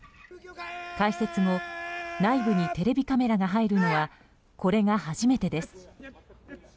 開設後内部にテレビカメラが入るのはこれが初めてです。